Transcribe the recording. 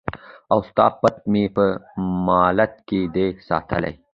او ستا پت مي په مالت کي دی ساتلی